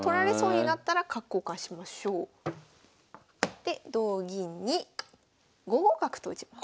で同銀に５五角と打ちます。